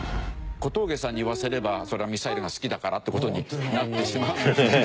小峠さんに言わせればそれはミサイルが好きだからって事になってしまうんでしょうけど